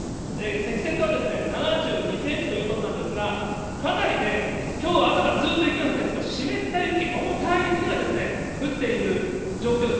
積雪は７２センチということなんですが、かなりね、きょう朝からずっと雪が降っているんですが、湿った雪、重たい雪が降っている状況です。